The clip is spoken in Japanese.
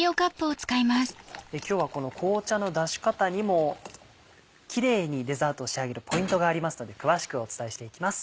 今日はこの紅茶の出し方にもキレイにデザートを仕上げるポイントがありますので詳しくお伝えしていきます。